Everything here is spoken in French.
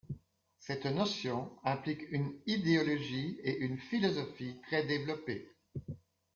Cette notion implique une idéologie et une philosophie très développées.